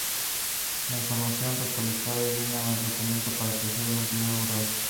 El área de investigación se encuentra dirigida por el Vicerrectorado de Investigación.